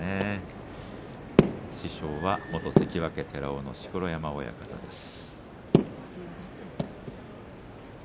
師匠は元関脇寺尾の錣山親方です。